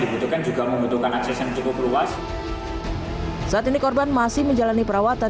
dibutuhkan juga membutuhkan akses yang cukup luas saat ini korban masih menjalani perawatan